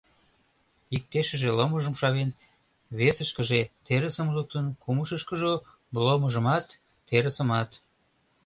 Иктешыже ломыжым шавен, весышкыже терысым луктын, кумшышкыжо — ломыжымат, терысымат.